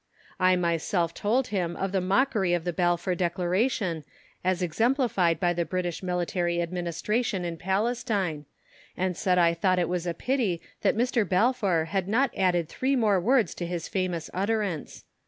I myself told him of the mockery of the Balfour Declaration as exemplified by the British Military Administration in Palestine, and said I thought it was a pity that Mr. Balfour had not added three more words to his famous utterance.